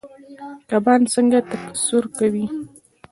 کبان څنګه تکثیر کوي؟